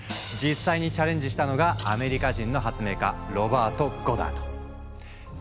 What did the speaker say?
実際にチャレンジしたのがアメリカ人の発明家ロバート・ゴダード。